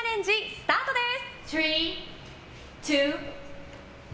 スタートです！